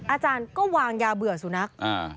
อาจารย์ก็วางยาเบื่อสุนัขอ่า